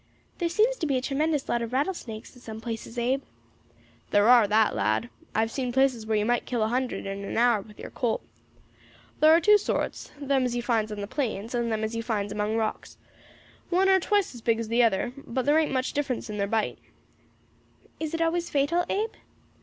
"There seems to be a tremendous lot of rattlesnakes in some places, Abe." "Thar are that, lad; I have seen places where you might kill a hundred in an hour with your Colt. Thar are two sorts, them as you finds on the plains and them as you finds among rocks; one are twice as big as the other, but thar ain't much difference in thar bite." "Is it always fatal, Abe?"